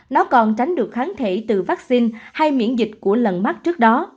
nó còn tránh được kháng thể từ vaccine hay miễn dịch của lần mắc trước đó